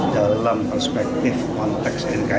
dalam perspektif konteks nkri